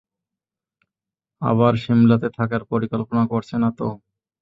আবার সিমলাতে থাকার, পরিকল্পনা করছে না তো?